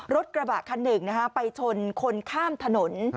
รถกระบะคันหนึ่งไปชนคนข้ามถนน